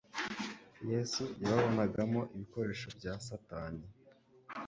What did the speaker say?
Yesu yababonagamo ibikoresho bya Satani.